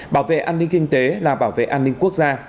bảo vệ an ninh kinh tế là bảo vệ an ninh quốc gia